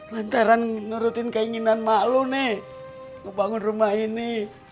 lantaran ngerutin keinginan mak lo nih ngebangun rumah ini